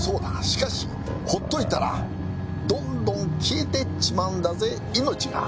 しかしほっといたらどんどん消えていっちまうんだぜ命が。